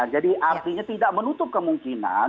artinya tidak menutup kemungkinan